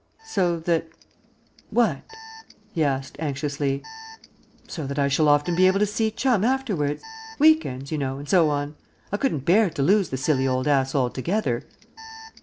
"So that what?" he asked anxiously. "So that I shall often be able to see Chum afterwards. Week ends, you know, and so on. I couldn't bear to lose the silly old ass altogether."